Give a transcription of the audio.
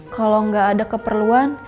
kalau nggak ada keperluan